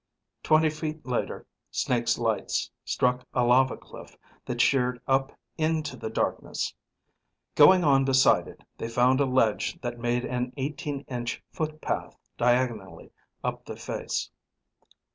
Twenty feet later Snake's light struck a lava cliff that sheered up into the darkness. Going on beside it, they found a ledge that made an eighteen inch footpath diagonally up the face.